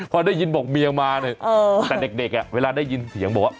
พอได้ยินบอกเมียมาเนี่ยแต่เด็กเวลาได้ยินเสียงบอกว่า